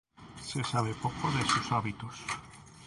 Se sabe poco de sus hábitos.